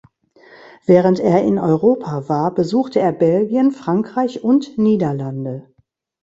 Während er in Europa war, besuchte er Belgien, Frankreich und Niederlande.